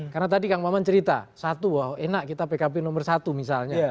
karena tadi kak gmama cerita satu enak kita pkp nomor satu misalnya